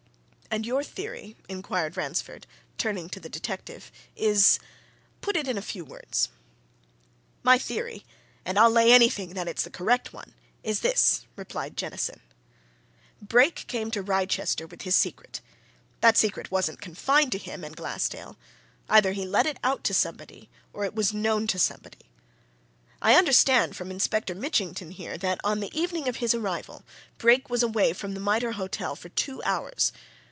"And your theory," inquired Ransford, turning to the detective, "is put it in a few words." "My theory and I'll lay anything it's the correct one! is this," replied Jettison. "Brake came to Wrychester with his secret. That secret wasn't confined to him and Glassdale either he let it out to somebody, or it was known to somebody. I understand from Inspector Mitchington here that on the evening of his arrival Brake was away from the Mitre Hotel for two hours.